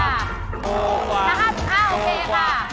ถูกกว่า